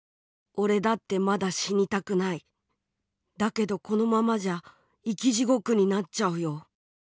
「俺だってまだ死にたくない。だけどこのままじゃ『生きジゴク』になっちゃうよ。